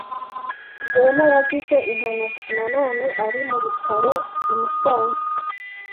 Rwema yagize impanuka none ari mu bitaro i Musanze.